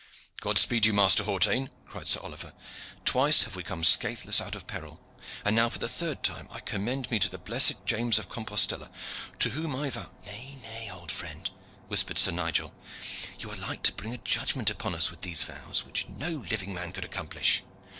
"God speed you, Master Hawtayne!" cried Sir Oliver. "Twice have we come scathless out of peril, and now for the third time I commend me to the blessed James of Compostella, to whom I vow " "Nay, nay, old friend," whispered Sir Nigel. "You are like to bring a judgment upon us with these vows, which no living man could accomplish.